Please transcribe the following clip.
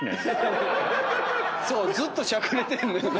そうずっとしゃくれてんのよね。